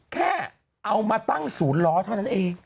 แค่เอามาตั้งศูนย์ล้อเท่านั้นเอง